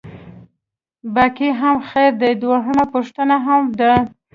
باقي هم خیر دی، دویمه پوښتنه هم ده.